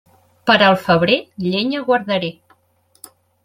Per al febrer, llenya guardaré.